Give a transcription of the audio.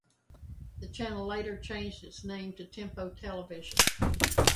The channel later changed its name to Tempo Television.